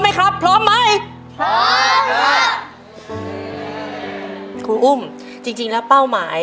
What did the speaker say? ในแคมเปญพิเศษเกมต่อชีวิตโรงเรียนของหนู